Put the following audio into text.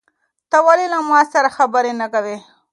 ته ولې له ما سره خبرې نه کوې؟